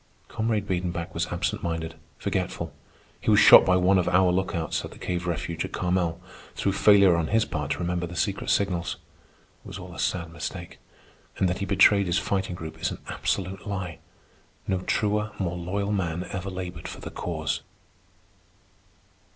Comrade Biedenbach was absent minded, forgetful. He was shot by one of our lookouts at the cave refuge at Carmel, through failure on his part to remember the secret signals. It was all a sad mistake. And that he betrayed his Fighting Group is an absolute lie. No truer, more loyal man ever labored for the Cause.